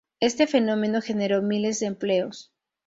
Este fenómeno generó miles de empleos.